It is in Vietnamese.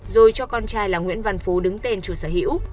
rồi cho con trai là nguyễn văn phú đứng tên chủ sở hữu